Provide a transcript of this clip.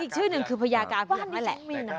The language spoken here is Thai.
อีกชื่อหนึ่งคือพญากาเผือกนั่นแหละ